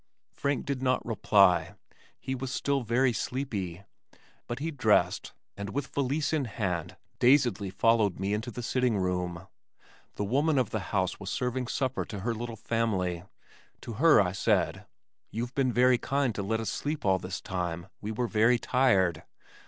Frank did not reply. He was still very sleepy, but he dressed, and with valise in hand dazedly followed me into the sitting room. The woman of the house was serving supper to her little family. To her I said, "You've been very kind to let us sleep all this time. We were very tired."